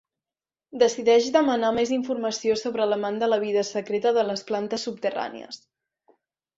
Decideix demanar més informació sobre l'amant de la vida secreta de les plantes subterrànies.